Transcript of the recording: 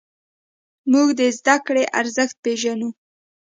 موږ د زدهکړې ارزښت پېژنو.